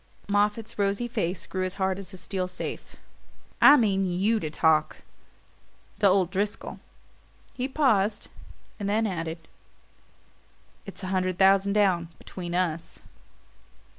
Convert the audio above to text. Moffatt's rosy face grew as hard as a steel safe. "I mean YOU to talk to old Driscoll." He paused, and then added: "It's a hundred thousand down, between us."